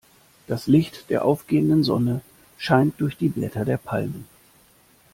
Das Licht der aufgehenden Sonne scheint durch die Blätter der Palmen.